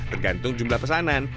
tergantung jumlah pesanan